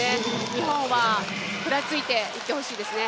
日本は食らいついていってほしいですね。